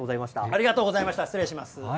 ありがとうございました、失礼します。